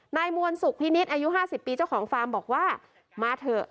นายมวลสุขพินิษฐ์อายุ๕๐ปีเจ้าของฟาร์มบอกว่ามาเถอะ